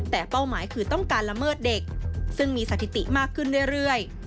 แต่เป้าหมายคือต้องการละเมิดเด็กซึ่งมีสถิติมากขึ้นเรื่อย